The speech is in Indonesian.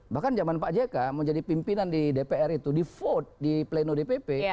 bahkan zaman pak jk menjadi pimpinan di dpr itu di vote di pleno dpp